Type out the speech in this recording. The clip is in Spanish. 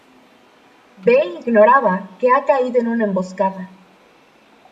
Bey ignoraba que ha caído en una emboscada.